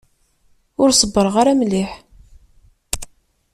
Ur ṣebbreɣ ara mliḥ.